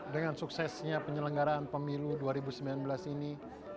dengan suksesnya penyelenggaraan pemilu dua ribu sembilan belas ini